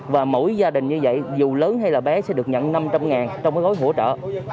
và mỗi gia đình như vậy dù lớn hay là bé sẽ được nhận năm trăm linh trong cái gói hỗ trợ